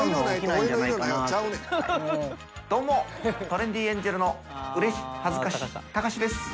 どうもトレンディエンジェルのうれし恥ずかしたかしです。